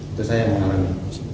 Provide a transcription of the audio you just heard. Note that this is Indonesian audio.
itu saya yang mengalami